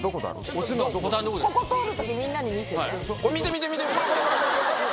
ここ通る時みんなに見せて。